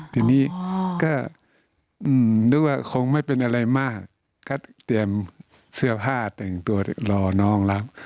ทีนี้ก็นึกว่าคงไม่เป็นอะไรมากก็เตรียมเสื้อผ้าแต่งตัวรอน้องแล้ว